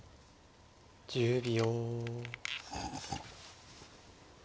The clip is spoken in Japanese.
１０秒。